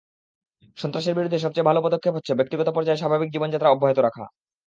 সন্ত্রাসের বিরুদ্ধে সবচেয়ে ভালো পদক্ষেপ হচ্ছে, ব্যক্তিগত পর্যায়ে স্বাভাবিক জীবনযাত্রা অব্যাহত রাখা।